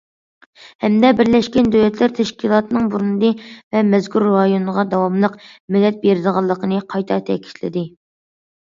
ھەمدە بىرلەشكەن دۆلەتلەر تەشكىلاتىنىڭ بۇرۇندى ۋە مەزكۇر رايونغا داۋاملىق مەدەت بېرىدىغانلىقىنى قايتا تەكىتلىدى.